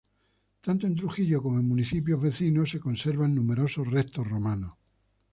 Tanto en Trujillo como en municipios vecinos se conservan numerosos restos romanos.